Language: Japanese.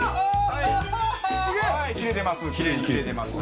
はい切れてます